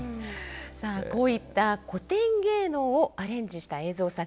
さあこういった古典芸能をアレンジした映像作品